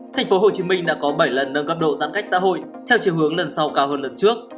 tp hcm đã có bảy lần nâng cấp độ giãn cách xã hội theo chiều hướng lần sau cao hơn lần trước